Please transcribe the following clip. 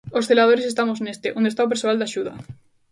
Os celadores estamos neste, onde está o persoal de axuda.